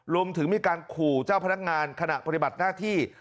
รวมถึงมีการขู่เจ้าพนักงานขณะปฏิบัติหน้าที่